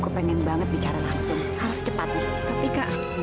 kenapa tiba tiba kamu mengira saya menelepon kamu